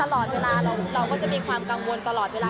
เราก็จะมีความกังวลตลอดเวลา